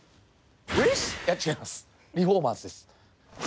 いや違います「リフォーマーズ」です。